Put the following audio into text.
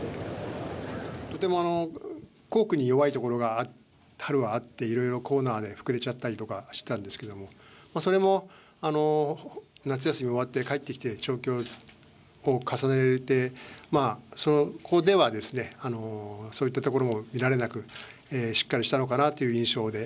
とても後駆に弱いところがあるはあっていろいろコーナーで膨れちゃったりとかしてたんですけどもそれも夏休み終わって帰ってきて調教を重ねてそこではですねそういったところも見られなくしっかりしたのかなという印象で。